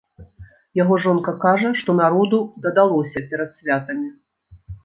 Яго жонка кажа, што народу дадалося перад святамі.